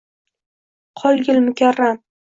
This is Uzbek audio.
Qolgil mukarram